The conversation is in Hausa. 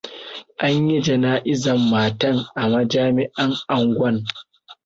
An yi jana'izan matan a majami'an angwan.